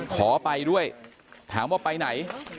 ขอไปด้วยถามว่าไปไหน